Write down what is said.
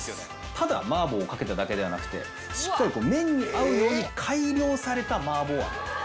ただ麻婆をかけただけではなくてしっかり麺に合うように改良された麻婆あんなんです。